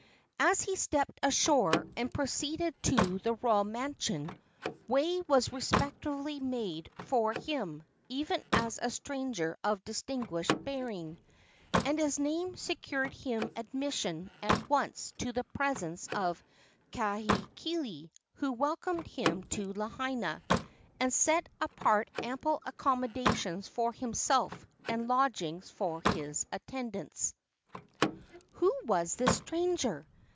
As he stepped ashore and proceeded to the royal mansion, way was respectfully made for him, even as a stranger of distinguished bearing, and his name secured him admission at once to the presence of Kahekili, who welcomed him to Lahaina, and set apart ample accommodations for himself and lodgings for his attendants. Who was this stranger?